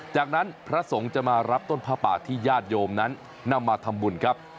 จากนั้นพระสงฆ์จะมารับต้นผ้าป่าที่ญาติโยมนั้นนำมาทำบุญครับ